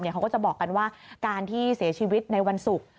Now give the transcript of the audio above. เขาก็จะบอกกันว่าการที่เสียชีวิตในวันศุกร์